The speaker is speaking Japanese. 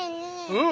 うん？